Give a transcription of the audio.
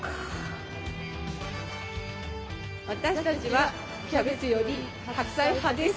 私たちはキャベツより白菜派です！